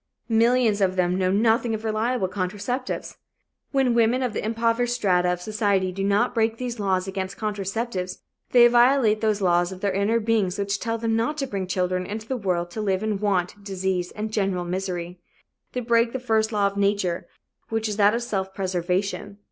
Millions of them know nothing of reliable contraceptives. When women of the impoverished strata of society do not break these laws against contraceptives, they violate those laws of their inner beings which tell them not to bring children into the world to live in want, disease and general misery. They break the first law of nature, which is that of self preservation.